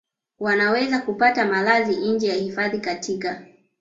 wanaweza kupata malazi nje ya hifadhi katika